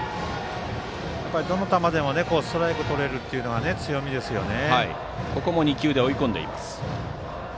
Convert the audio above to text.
どの球でもストライクとれるのが強みですよね。